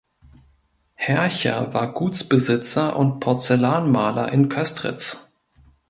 Hercher war Gutsbesitzer und Porzellanmaler in Köstritz.